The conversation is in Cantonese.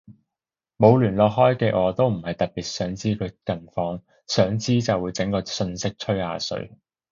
冇聯絡開嘅我都唔係特別想知佢近況，想知就會整個訊息吹下水